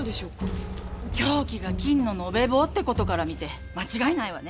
凶器が金の延べ棒って事から見て間違いないわね。